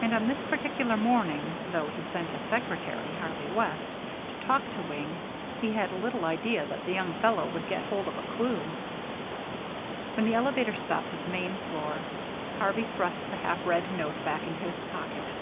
And on this particular morning, though he sent his secretary, Harvey West, to talk to Wing, he had little idea that the young fellow would get hold of a clew. When the elevator stopped at the main floor, Harvey thrust the half read note back into his pocket.